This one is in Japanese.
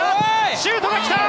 シュートが来た！